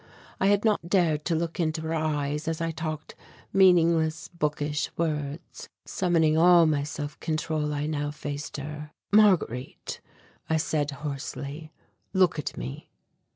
I had not dared to look into her eyes, as I talked meaningless, bookish words. Summoning all my self control, I now faced her. "Marguerite," I said hoarsely, "look at me."